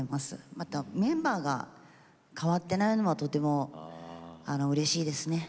あとメンバーが変わってないのもとてもうれしいですね。